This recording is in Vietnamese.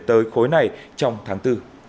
tới khối này trong tháng bốn